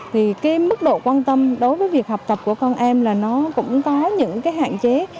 thì cái mức độ quan tâm đối với việc học tập của con em là nó cũng có những cái hạn chế